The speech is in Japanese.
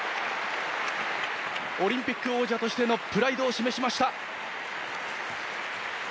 オリンピック王者としてのプライドを示しました。